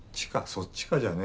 そっちかじゃねえよ。